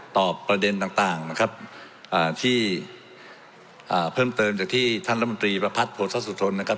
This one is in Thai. ตอบประเด็นต่างนะครับที่เพิ่มเติมจากที่ท่านรัฐมนตรีประพัทธโภษสุทนนะครับ